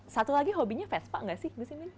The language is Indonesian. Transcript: satu lagi hobinya vespa gak sih gus imin